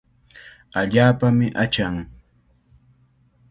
Allaapami achan.